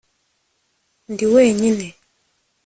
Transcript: ndi wenyine